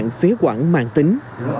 ngạn phế quản mạng tính